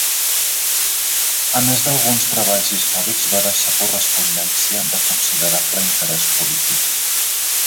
A més d'alguns treballs històrics va deixar correspondència de considerable interès polític.